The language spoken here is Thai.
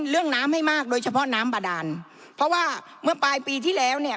น้ำไม่มากโดยเฉพาะน้ำบาดานเพราะว่าเมื่อปลายปีที่แล้วเนี่ย